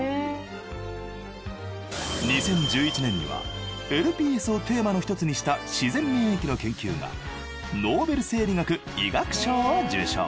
２０１１年にはＬＰＳをテーマの１つにした自然免疫の研究がノーベル生理学・医学賞を受賞。